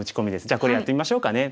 じゃあこれやってみましょうかね。